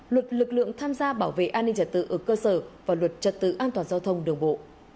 luật lực lượng tham gia bảo vệ an ninh trật tự ở cơ sở và luật trật tự an toàn giao thông đường bộ